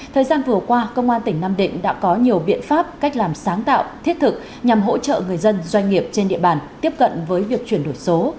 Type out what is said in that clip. thời gian vừa qua công an tỉnh nam định đã có nhiều biện pháp cách làm sáng tạo thiết thực nhằm hỗ trợ người dân doanh nghiệp trên địa bàn tiếp cận với việc chuyển đổi số